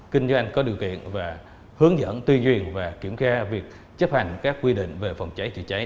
kinh doanh có điều kiện và hướng dẫn tuy duyên và kiểm tra việc chấp hành các quy định về phòng cháy chữa cháy